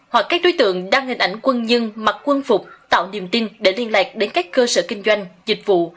hoặc các đối tượng đăng hình ảnh quân nhân mặc quân phục tạo niềm tin để liên lạc đến các cơ sở kinh doanh dịch vụ